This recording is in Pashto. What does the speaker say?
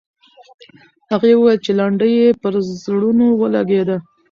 هغې وویل چې لنډۍ یې پر زړونو ولګېده.